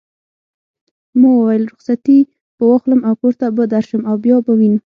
ما وویل: رخصتې به واخلم او کور ته به درشم او بیا به وینو.